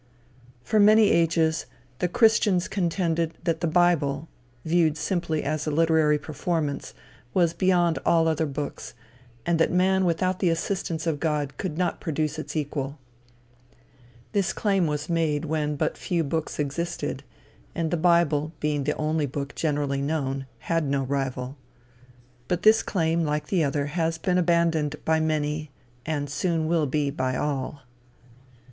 For many ages, the christians contended that the bible, viewed simply as a literary performance, was beyond all other books, and that man without the assistance of God could not produce its equal. This claim was made when but few books existed, and the bible, being the only book generally known, had no rival. But this claim, like the other, has been abandoned by many, and soon will be, by all.